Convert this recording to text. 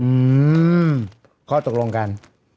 อืมข้อตกลงกัน